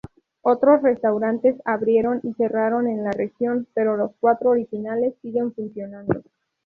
Otros restaurantes abrieron y cerraron en la región, pero los cuatro originales siguen funcionando.